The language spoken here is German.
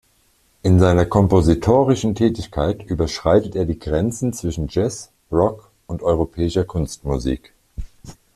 In seiner kompositorischen Tätigkeit überschreitet er die Grenzen zwischen Jazz, Rock- und europäischer Kunstmusik.